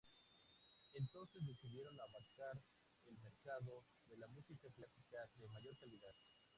Entonces decidieron abarcar el mercado de la música clásica, de mayor calidad.